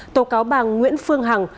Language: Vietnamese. tố cáo bằng nguyễn phương hằng